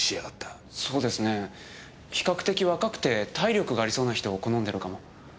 そうですね比較的若くて体力がありそうな人を好んでるかも。